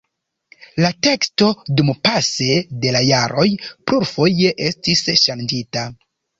La teksto dumpase de la jaroj plurfoje estis ŝanĝita.